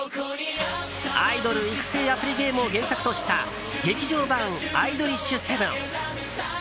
アイドル育成アプリゲームを原作とした「劇場版アイドリッシュセブン」。